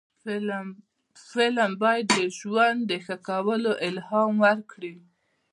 فلم باید د ژوند د ښه کولو الهام ورکړي